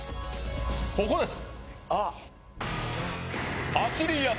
ここです